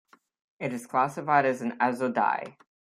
It is classified as an azo dye.